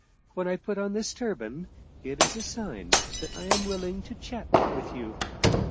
When I put on this turban it is a sign that I am willing to chat with you.